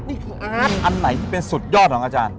นี่อันไหนเป็นสุดยอดหรออาจารย์